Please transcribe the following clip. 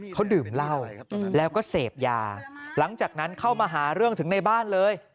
เขาดื่มเหล้าแล้วก็เสพยาหลังจากนั้นเข้ามาหาเรื่องถึงในบ้านเลย